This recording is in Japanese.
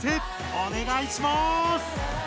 おねがいします！